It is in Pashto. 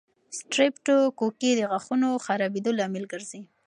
سټریپټوکوکي د غاښونو خرابېدو لامل ګرځي.